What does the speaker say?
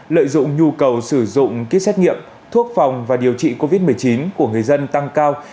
lợi dụng nhu cầu sử dụng kit xét nghiệm thuốc phòng và điều trị covid một mươi chín của người dân tăng cao